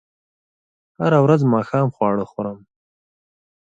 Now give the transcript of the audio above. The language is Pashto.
هره ورځ ماښام خواړه خورم